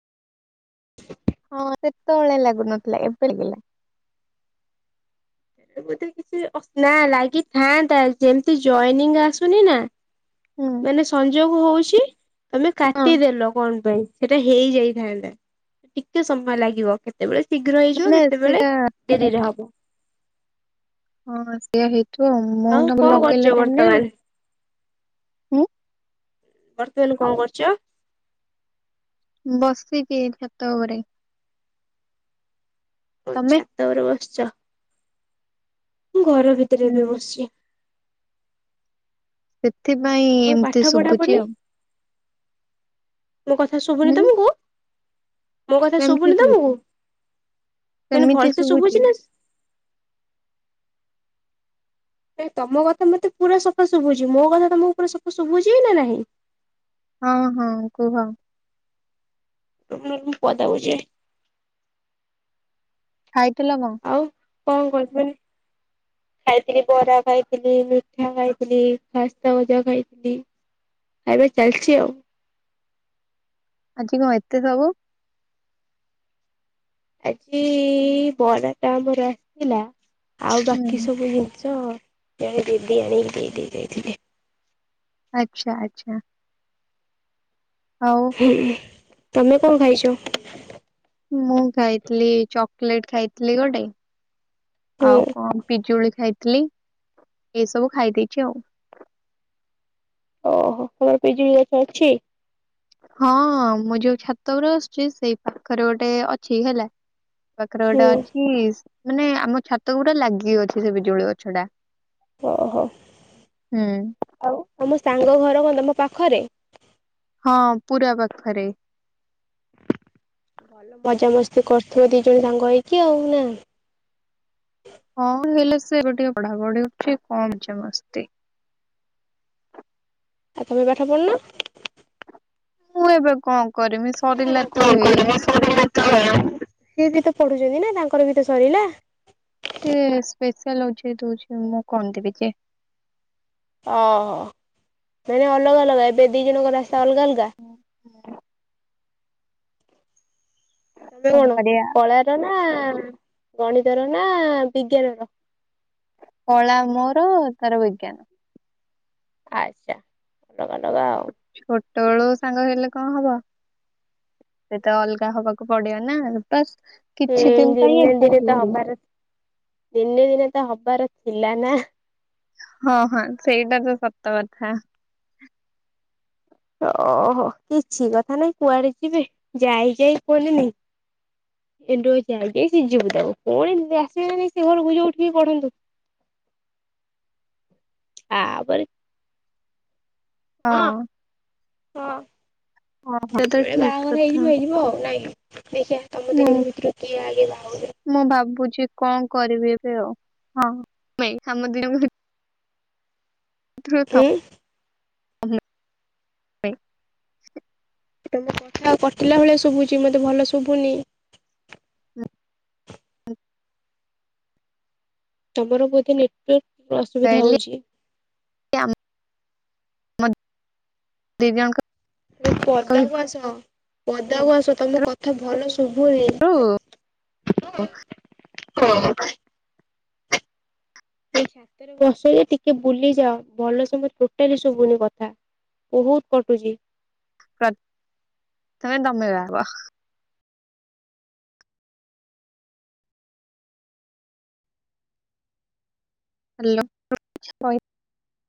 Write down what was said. ହ ହଁ ସେତେବେଳେ ଲାଗୁନଥିଲା ଏବେ ଲାଗିଲା। ନା ଲାଗିଥାନ୍ତା ଯେମତି ଜଏନିଂ ଆସୁନି ନା ହୁଁ ମାନେ ସଂଯୋଗ ହଉଚି। ତମେ ହଁ। କାଟିଦେଲ କଣ ପାଇଁ? ହେଟା ହେଇଯାଇଥାନ୍ତା। ଟିକେ ସମୟ ଲାଗିବ କେତେବେଳେ ଶୀଘ୍ର ହେଇଯିବ ମାନେ କେତେବେଳେ ସେଇଟା ଡେରିରେ ହବ। ହଁ ସେଇଆ ହେଇଥିବ ଆଉ। ମୁଁ ତାଙ୍କୁ କଣ କରୁଛ ଲଗେଇଲା ଟାଇମ୍ ରେ ବର୍ତ୍ତମାନ? ହୁଁ। ବର୍ତ୍ତମାନ କଣ କରୁଚ? ବସିଚି ଛାତ ଉପରେ। ଓ ତମେ? ଛାତ ଉପରେ ବସିଚ। ମୁଁ ଘର ଭିତରେ ହୁଁ ଏବେ ବସିଚି। ସେଥିପାଇଁ ଆଉ ପାଠ ଏମିତି ପଢା ପଢି ଶୁବୁଚି ଆଉ। ମୋ କଥା ଶୁଭୁନି ହୁଁ। ତମକୁ? ମୋ କଥା ସେମିତି ଶୁଭୁନି ତମକୁ? ଶୁଭୁଚି ମାନେ ଭଲସେ ଶୁଭୁଚି ନା ନାଇ ତମ କଥା ମତେ ପୁରା ସଫା ଶୁଭୁଚି। ମୋ କଥା ତମକୁ ପୁରା ସଫା ଶୁଭୁଚି ନା ନାହିଁ? ହଁ ହଁ କୁହ। ରୁହ ନହେଲେ ମୁଁ ପଦାକୁ ଯାଏ। ଖାଇଥିଲ କଣ? ଆଉ କଣ କରୁଚ ମାନେ ଖାଇଥିଲି ବରା ଖାଇଥିଲି, ମିଠା ଖାଇଥିଲି, ଖାସ୍ତା ଗଜା ଖାଇଥିଲି। ଖାଇବା ଚାଲିଚି ଆଉ। ଆଜି କଣ ଏତେ ସବୁ? ଆଜି ବରା ଟା ଆମର ଆସିଥିଲା। ଆଉ ବାକି ହୁଁ ସବୁ ଜିନିଷ ଜଣେ ଦିଦି ଆଣିକି ଦେଇ ଦେଇ ଯାଇଥିଲେ। ଆଚ୍ଛା ଆଚ୍ଛା। ହଉ। ତମେ କଣ ଖାଇଚ? ମୁଁ ଖାଇଥିଲି ଚକୋଲେଟ ଖାଇଥିଲି ଗୋଟେ। ହୁଁ ଆଉ କଣ? ପିଜୁଳି ଖାଇଥିଲି, ଏସବୁ ଖାଇ ଦେଇେଇଛି ଆଉ। ଓହୋ। ତମର ପିଜୁଳି ଗଛ ଅଛି? ହଁ ମୁଁ ଯୋଉ ଛାତ ଉପରେ ବସୁଛି ସେଇ ପାଖରେ ଗୋଟେ ଅଛି ହେଲା ପାଖରେ ହୁଁ ଗୋଟେ ଅଛି। ମାନେ ଆମ ଛାତ କୁ ପୁରା ଲାଗି କି ଅଛି ସେ ପିଜୁଳି ଗଛ ଟା। ଓହୋ। ହୁଁ ଆଉ ଆମ ସାଙ୍ଗ ଘର କଣ ତମ ପାଖରେ? ହଁ ପୁରା ପାଖରେ। ଭଲ ମଜା ମସ୍ତି କରୁଥିବ ଦି ଜଣ ସାଙ୍ଗ ହେଇକି ଆଉ ନା? ହଁ ହେଲେ ସେବେ ଟିକେ ପଢା ପଢି କରୁଛି କଣ ମଜା ମସ୍ତି। ଆଉ ତମେ ପାଠ ପଢ଼ୁନ? ମୁଁ ଏବେ କଣ କରିମି ସରିଲା ତ କଣ ହେଇ। କରିବି ସରିଲା ସିଏ ବି ତ ପଢୁଛନ୍ତି ନା ତାଙ୍କର ବି ତ ସରିଲା। ସେ ସ୍ପେଶାଲ୍ ହୋଉଛି ଦୋଉଛି ମୁଁ କଣ ଦେବି କି? ଓହୋ। ଫେରେ ଅଲଗା ଅଲଗା ଏବେ ଦି ଜଣଙ୍କ ରାସ୍ତା ଅଲଗା ଅଲଗା? ତମେ କଣ କଳାର ନା ଗଣିତର ନା ବିଜ୍ଞାନ ର? କଳା ମୋର ତାର ବିଜ୍ଞାନ। ଆଚ୍ଛା ଅଲଗା ଅଲଗା ଆଉ। ଛୋଟବେଳୁ ସାଙ୍ଗ ହେଲେ କଣ ହବ ସେତ ଅଲଗା ହବାକୁ ପଡିବ ନା। ବାସ୍ ହୁଁ କିଛି ଦିନ ପାଇଁ ଦିନେ ଦିନେ ଏକାଠି ତ ହେଲେ। ହବାର ଦିନେ ଦିନେ ତ ହବାର ଥିଲା ନା। ହଁ ହଁ ସେଇଟା ତ ସତ କଥା। ଓହୋ। କିଛି କଥା ନାଇଁ କୁଆଡେ ଯିବେ ଯାଇ ଯାଇ କୁହତିନି ଏଣ୍ଡୁଅ ଯାଇ ଯାଇ ସିଜୁ ବୁଦାକୁ, ଫୁଣି ଆସିବେନି ସେ ଘରକୁ ଯୋଉ ଠି ବି ପଢନ୍ତୁ। ତା ପରେ ହଁ ହଁ, ଓହୋ। ଏଟା ତ ଯେତେବେଳେ ଠିକ ବାହାଘର କଥା ହେଇଯିବ ହେଇଯିବ ଆଉ ନାଇଁ କି? ଦେଖିବା ତମ ମୁଁ ଦିଜଣ ଭିତରୁ କିଏ ଆଗେ ବାହା ହୋଉଛି? ମୁଁ ଭାବୁଛି କଣ କରିବି ଏବେ ଆଉ। ହଁ ଭାଇ ଆମ ଦି ଜଣଙ୍କୁ ହୁଁ ହଁ ମୁଁ ତମ କଥା କଟିଲା ଭଳିଆ ଶୁଘୁଛି ମତେ ଭଲ ଶୁଭୁନି। ତମର ବୋଧେ ନେଟୱାର୍କ ଅସୁବିଧା କହିଲି ହୋଉଛି? [unintelligible] ଦି ଜଣଙ୍କ ତ ପଦାକୁ ଆସ, ପଦାକୁ ଆସ ତମ କଥା ଭଲ ଭିତରୁ ସୁବୁନି କ ଏ ଛାତରେ ବସ ଯେ ଟିକେ ବୁଲିଯାଅ ଭଲ ସେ ଟୋଟାଲି ଶୁଭୁନି କଥା। ବୋହୁତ୍ କଟୁଛି। ତମ ତମ ରବ [unintelligible] ହାଲୋ। [unintelligible]